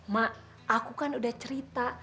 mak aku kan udah cerita